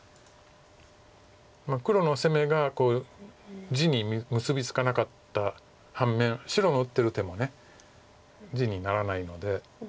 黒の攻めが地に結び付かなかった反面白の打ってる手も地にならないので。